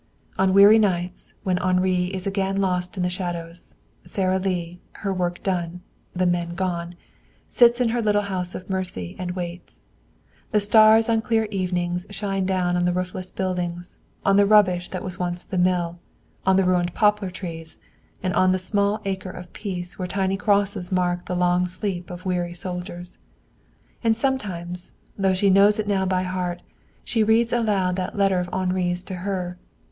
On weary nights, when Henri is again lost in the shadows, Sara Lee, her work done, the men gone, sits in her little house of mercy and waits. The stars on clear evenings shine down on the roofless buildings, on the rubbish that was once the mill, on the ruined poplar trees, and on the small acre of peace where tiny crosses mark the long sleep of weary soldiers. And sometimes, though she knows it now by heart, she reads aloud that letter of Henri's to her.